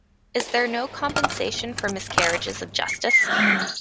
Is there no compensation for miscarriages of justice?